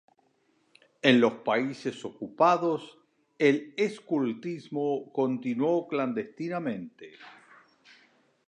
En los países ocupados, el escultismo continuó clandestinamente.